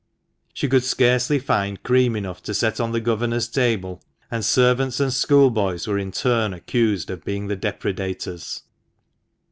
She could scarcely find cream enough to set on the governor's table, and servants and schoolboys were in turn accused of being the depredators.